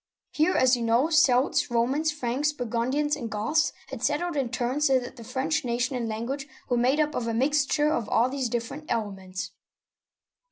Here, as you know, Celts, Romans, Franks, Burgundians, and Goths had settled in turn, so that the French nation and language were made up of a mixture of all these dif ferent elements.